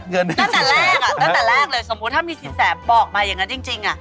ตั้งแต่แรกเลยสมมุติถ้ามีสินแสบอกมาอย่างนั้นจริงอ่ะ